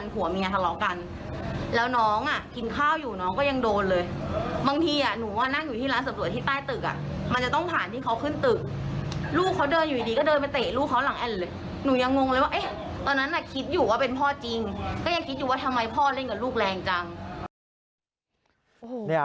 ก็ยังคิดอยู่ว่าทำไมพ่อเล่นกับลูกแรงจัง